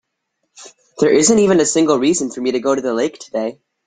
There isn't even a single reason for me to go to the lake today.